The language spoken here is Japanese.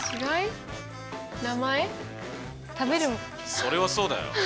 それはそうだよ！